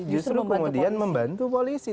justru kemudian membantu polisi